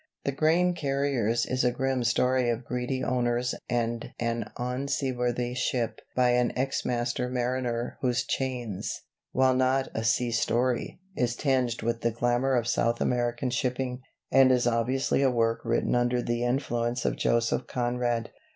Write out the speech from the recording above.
'The Grain Carriers' is a grim story of greedy owners and an unseaworthy ship by an ex master mariner whose 'Chains,' while not a sea story, is tinged with the glamour of South American shipping, and is obviously a work written under the influence of Joseph Conrad.